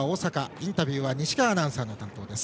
インタビューは西川アナウンサーの担当です。